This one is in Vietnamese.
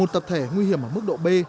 một tập thể nguy hiểm ở mức độ b